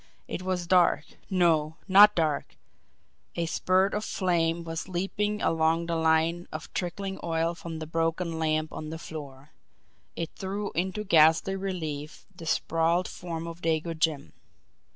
It was dark no, not dark a spurt of flame was leaping along the line of trickling oil from the broken lamp on the floor. It threw into ghastly relief the sprawled form of Dago Jim.